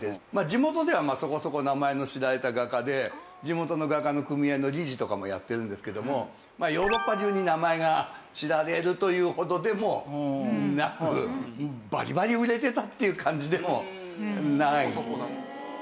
地元ではそこそこ名前の知られた画家で地元の画家の組合の理事とかもやってるんですけどもヨーロッパ中に名前が知られるというほどでもなくバリバリ売れてたっていう感じでもない。